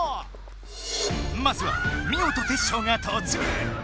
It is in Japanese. まずはミオとテッショウが突入。